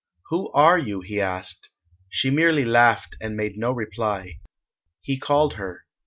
"Who are you?" he asked. She merely laughed and made no reply. He called her.